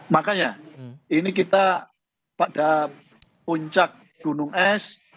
makanya ini kita pada puncak gunung es